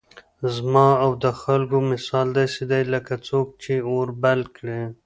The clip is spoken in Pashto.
زما او د خلكو مثال داسي دئ لكه څوك چي اور بل كړي